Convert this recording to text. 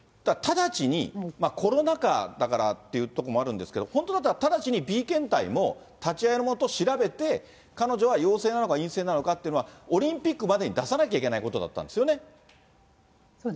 直ちに、コロナ禍だからというところもあるんですけど、本当だったら、直ちにＢ検体も立ち会いの下、調べて、彼女は陽性なのか陰性なのかっていうのは、オリンピックまでに出さなきゃいけないことだったんですよね？